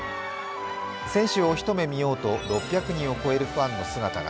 選手を一目見ようと６００人を超えるファンの姿が。